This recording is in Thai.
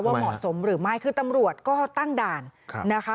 เหมาะสมหรือไม่คือตำรวจก็ตั้งด่านนะคะ